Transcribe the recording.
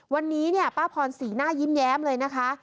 วันนี้เนี่ยป้าพรสีหน้ายิ้มแย้มเลยนะคะ